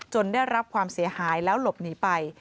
ได้รับความเสียหายแล้วหลบหนีไป